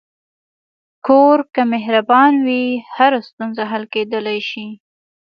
کور که مهربان وي، هره ستونزه حل کېدلی شي.